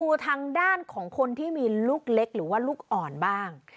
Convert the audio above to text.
ดูทางด้านของคนที่มีลูกเล็กหรือว่าลูกอ่อนบ้าง